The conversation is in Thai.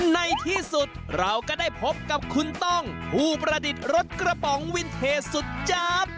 ในที่สุดเราก็ได้พบกับคุณต้องผู้ประดิษฐ์รถกระป๋องวินเทสุดจาบ